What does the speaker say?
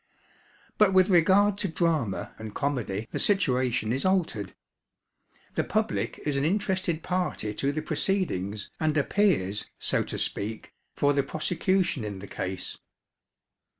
But with regard to drama and comedy the situation is altered. The public is an interested party to the proceedings and appears, so to speak, for the prosecution in the case.